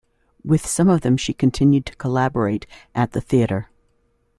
With some of them she continued to collaborate at the theatre.